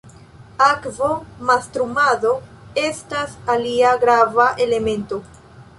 Akvo-mastrumado estas alia grava elemento.